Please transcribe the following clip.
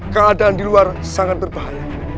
keadaan di luar sangat berbahaya